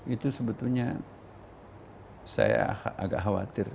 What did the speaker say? itu sebetulnya saya agak khawatir